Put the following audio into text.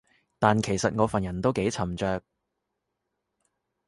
但其實我份人都幾沉着